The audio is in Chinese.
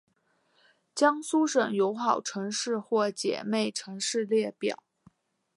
江苏省友好城市或姐妹城市列表